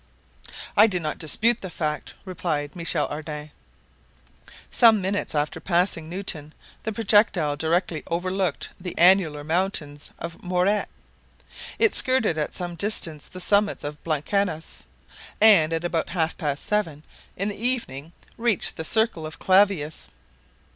"I do not dispute the fact," replied Michel Ardan. Some minutes after passing Newton, the projectile directly overlooked the annular mountains of Moret. It skirted at some distance the summits of Blancanus, and at about half past seven in the evening reached the circle of Clavius.